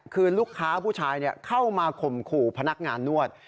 คือลูกค้าผู้ชายเข้ามาข่มขู่พนักงานนวด